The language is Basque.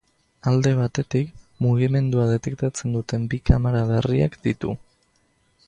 Alde batetik, mugimendua detektatzen duten bi kamara berriak ditu.